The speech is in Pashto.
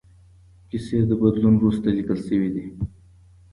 کیسې د بدلون وروسته لیکل شوې دي.